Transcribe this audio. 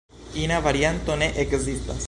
Ina varianto ne ekzistas.